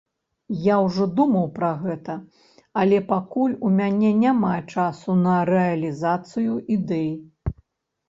Я ўжо думаў пра гэта, але пакуль у мяне няма часу на рэалізацыю ідэй.